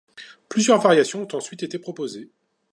Plusieurs variations ont ensuite été proposées.